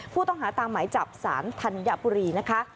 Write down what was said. ผู้ต้องหาตามหมายจับสารธัญบุรีนะคะ